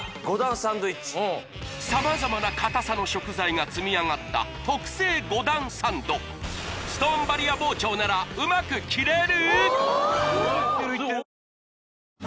サンドイッチ様々な硬さの食材が積み上がった特製５段サンドストーンバリア包丁ならうまく切れる？